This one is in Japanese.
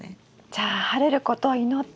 じゃあ晴れることを祈って。